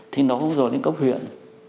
thì nó không rồi đến cấp huyện